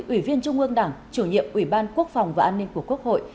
ủy viên trung ương đảng chủ nhiệm ủy ban quốc phòng và an ninh của quốc hội